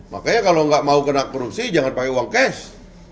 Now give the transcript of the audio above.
makanya kalau nggak mau kena korupsi jangan pakai uang cash